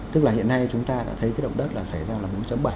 tức là hiện nay chúng ta đã thấy cái động đất là xảy ra là bốn bảy